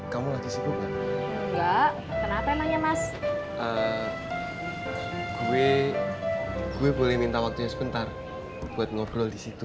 kamu lagi sibuk enggak kenapa emangnya mas gue boleh minta waktunya sebentar buat ngobrol di situ